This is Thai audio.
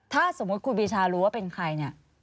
ถ้าสมมติคุณวิชารู้ว่าเป็นใคร